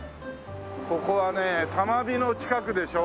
ここはね多摩美の近くでしょ？